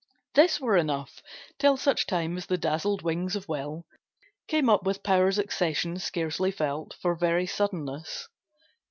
This were enough Till such time as the dazzled wings of will Came up with power's accession, scarcely felt For very suddenness.